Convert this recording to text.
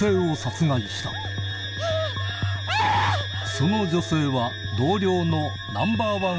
その女性はあぁ